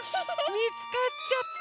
みつかっちゃった！